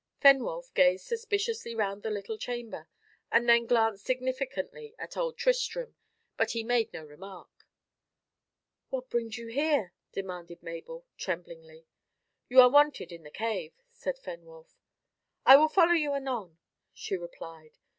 Fenwolf gazed suspiciously round the little chamber, and then glanced significantly at old Tristram, but he made no remark. "What brings you here?" demanded Mabel tremblingly. "You are wanted in the cave," said Fenwolf. "I will follow you anon," she replied.